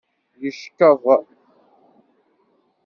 Yeckeḍ.